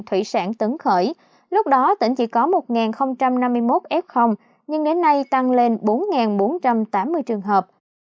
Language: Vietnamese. thủy sản tấn khởi lúc đó tỉnh chỉ có một năm mươi một f nhưng đến nay tăng lên bốn bốn trăm tám mươi trường hợp